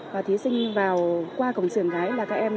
và thí sinh qua cổng trường cái là các em